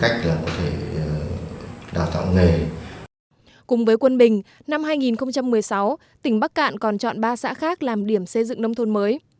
cùng với quân bình năm hai nghìn một mươi sáu tỉnh bắc cạn còn chọn ba xã khác làm điểm xây dựng nông thôn mới